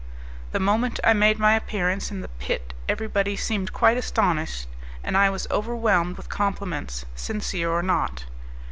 The moment I made my appearance in the pit everybody seemed quite astonished, and I was overwhelmed with compliments, sincere or not.